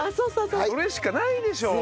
それしかないでしょう！